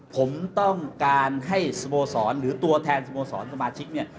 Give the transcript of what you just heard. ผมต้องการให้สโมสรหรือตัวแทนสโมสรสมาชิกเนี่ย